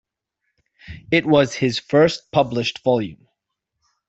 It was his first published volume.